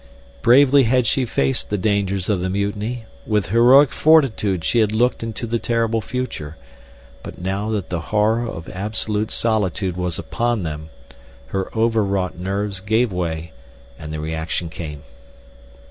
Bravely had she faced the dangers of the mutiny; with heroic fortitude she had looked into the terrible future; but now that the horror of absolute solitude was upon them, her overwrought nerves gave way, and the reaction came.